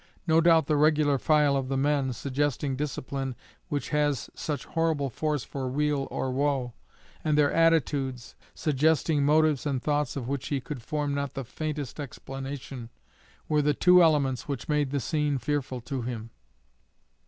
No doubt the regular file of the men, suggesting discipline which has such terrible force for weal or woe, and their attitudes, suggesting motives and thoughts of which he could form not the faintest explanation, were the two elements which made the scene fearful to him.